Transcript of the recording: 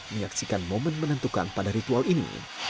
menyaksikan momen menentukan pada ritual ini